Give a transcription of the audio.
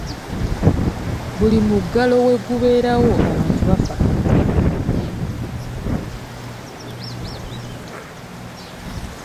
Buli muggalo we gubeerawo abantu bafa enjala.